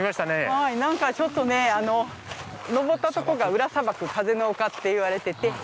はい、なんかちょっとね登ったところが裏砂漠風の丘って言われてて。